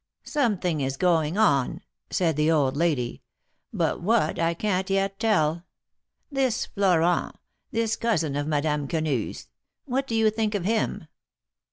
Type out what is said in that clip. " Something is going on," said the old lady, " but what I can't yet tell. This Florent — this cousin of Madame Quenu's — what do you think of him